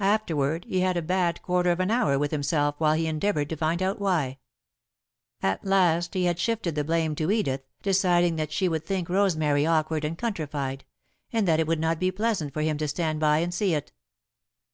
Afterward, he had a bad quarter of an hour with himself while he endeavoured to find out why. At last he had shifted the blame to Edith, deciding that she would think Rosemary awkward and countrified, and that it would not be pleasant for him to stand by and see it.